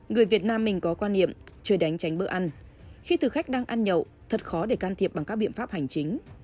người việt nam mình có quan niệm chơi đánh tránh bữa ăn khi thực khách đang ăn nhậu thật khó để can thiệp bằng các biện pháp hành chính